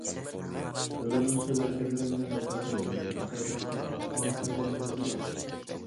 دادامنىڭ سۆز- ھەرىكەتلىرى مېنى رىغبەتلەندۈرەتتى، تەسىر قىلاتتى، ماڭا تەربىيە بېرىپ تۇراتتى.